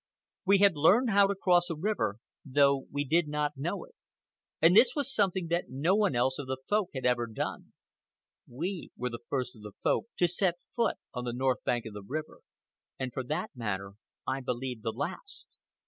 We had learned how to cross a river, though we did not know it. And this was something that no one else of the Folk had ever done. We were the first of the Folk to set foot on the north bank of the river, and, for that matter, I believe the last.